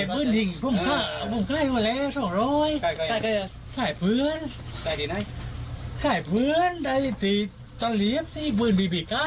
พี่อ่ะครับ